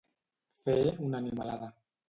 Fer una animalada.